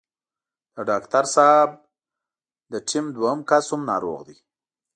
د ډاکټر صاحب د ټيم دوهم کس هم ناروغ دی.